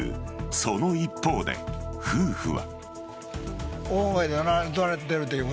その一方で、夫婦は。